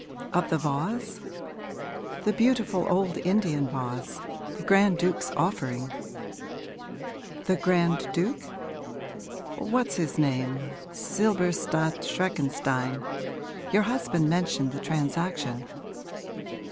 'Of the vase?' 'The beautiful old Indian vase the Grand Duke's offering.' 'The Grand Duke?' 'What's his name? Silberstadt Schreckenstein. Your husband mentioned the transaction.'